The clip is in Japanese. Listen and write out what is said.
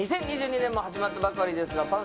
「２０２２年も始まったばかりですが」